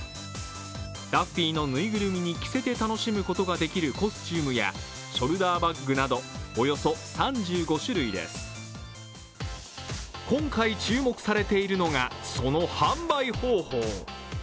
ダッフィーのぬいぐるみに着せて楽しむことができるコスチュームやショルダーバッグなどおよそ３５種類で今回注目されているのが、その販売方法。